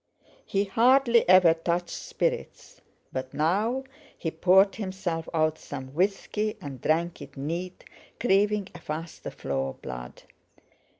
He hardly ever touched spirits, but now—he poured himself out some whisky and drank it neat, craving a faster flow of blood.